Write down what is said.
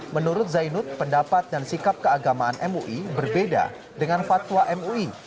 menurut zainud pendapat dan sikap keagamaan mui berbeda dengan fatwa mui